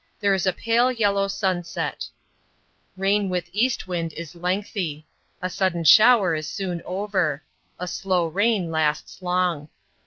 There is a pale yellow sunset. Rain with East wind is lengthy. A sudden shower is soon over. A slow rain lasts long.